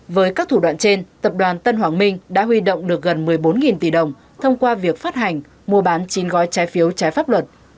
với các thủ đoạn trên tập đoàn tân hoàng minh đã huy động được gần một mươi bốn tỷ đồng thông qua việc phát hành mua bán chín gói trái phiếu trái pháp luật